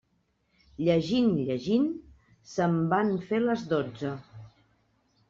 Llegint, llegint, se'm van fer les dotze.